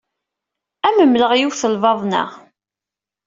Ad am-mmleɣ yiwet n lbaḍna.